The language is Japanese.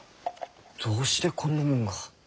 どうしてこんなもんが。